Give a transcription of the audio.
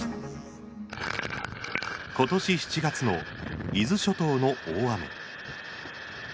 ことし７月の伊豆諸島の大雨。